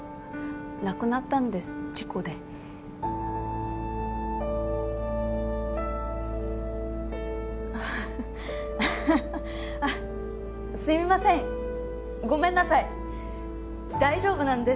亡くなったんです事故であっすみませんごめんなさい大丈夫なんです